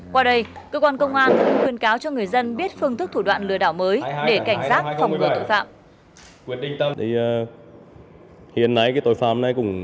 qua đây cơ quan công an cũng khuyên cáo cho người dân biết phương thức thủ đoạn lừa đảo mới để cảnh giác phòng ngừa tội phạm